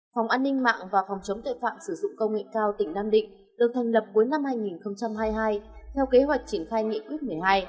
phòng an ninh mạng và phòng chống tội phạm sử dụng công nghệ cao tỉnh nam định được thành lập cuối năm hai nghìn hai mươi hai theo kế hoạch triển khai nghị quyết một mươi hai